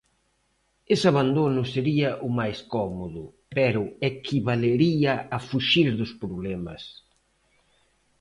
Ese "abandono" sería "o máis cómodo", pero equivalería a "fuxir dos problemas".